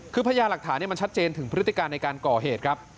คือพญาหลักฐานมันชัดเจนถึงพฤติการในการก่อเหตุครับ